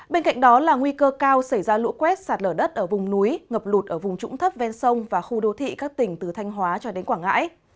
bên cạnh đó là nguy cơ cao xảy ra lũ quét sạt lở đất ở vùng núi ngập lụt ở vùng trũng thấp ven sông và khu đô thị các tỉnh từ thanh hóa cho đến quảng ngãi